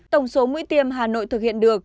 tổng số mũi tiêm hà nội thực hiện được